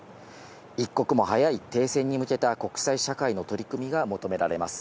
一刻も早い停戦に向けた国際社会の取り組みが求められます。